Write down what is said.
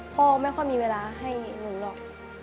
พ่อไม่ค่อยมีเวลาให้หนูหรอก